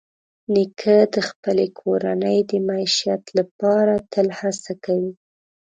نیکه د خپلې کورنۍ د معیشت لپاره تل هڅه کوي.